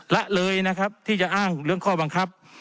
ละเลยนะครับที่จะอ้างเรื่องข้อบังคับ